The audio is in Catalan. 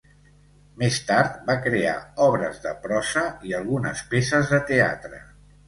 Més tard va crear obres de prosa i algunes peces de teatre.